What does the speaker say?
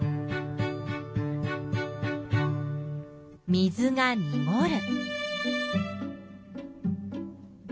水がにごる。